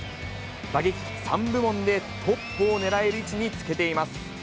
打撃３部門でトップを狙える位置につけています。